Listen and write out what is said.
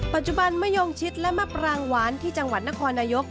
ปัจจุบันมะยงชิดและมะปรางหวานที่จังหวัดนครนายก